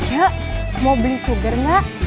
yuk mau beli sugar nak